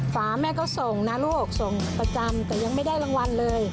ฝาแม่ก็ส่งนะลูกส่งประจำแต่ยังไม่ได้รางวัลเลย